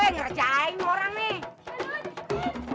ngerjain orang nih